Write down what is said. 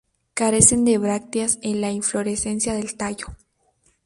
Carecen de brácteas en la inflorescencia del tallo.